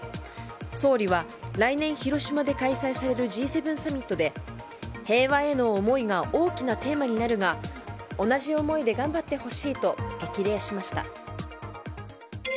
総理は、来年広島で開催されるＧ７サミットで平和への思いが大きなテーマになるが同じ思いで頑張ってほしいと激励しました。